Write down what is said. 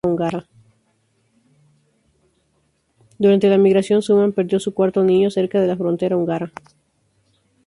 Durante la migración, Suman perdió su cuarto niño cerca de la frontera húngara.